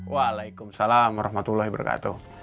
waalaikumsalam rahmatullah wabarakatuh